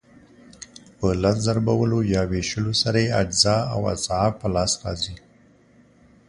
په لس ضربولو یا وېشلو سره یې اجزا او اضعاف په لاس راځي.